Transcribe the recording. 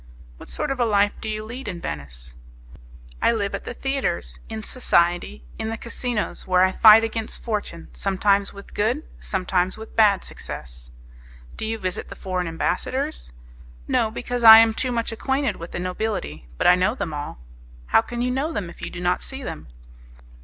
"What sort of a life do you lead in Venice?" "I live at the theatres, in society, in the casinos, where I fight against fortune sometimes with good sometimes with bad success." "Do you visit the foreign ambassadors?" "No, because I am too much acquainted with the nobility; but I know them all." "How can you know them if you do not see them?"